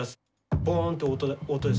ボーンって音です